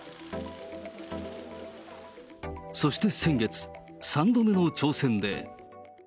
そして先月、３度目の挑戦で。